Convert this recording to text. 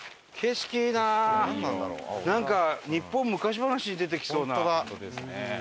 なんか『日本昔ばなし』に出てきそうな感じだね。